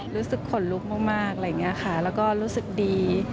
รู้สึกขนลุกมากและรู้สึกดี